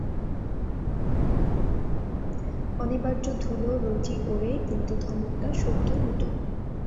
অনিবার্য ধুলো রোজই ওড়ে কিন্তু ধমকটা সদ্য নূতন।